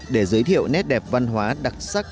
để giới thiệu nét đẹp văn hóa đặc sắc